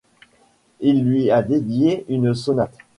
Il lui a dédié une sonate.